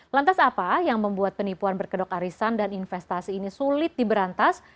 lantas apa yang membuat penipuan berkedok arisan dan investasi ini sulit diberantas